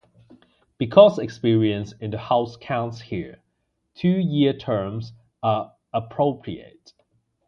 Because experience in the House counts here, two-year terms are appropriate.